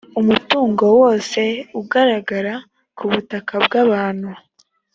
umutungo wose ugaragara ku butaka bw’abantu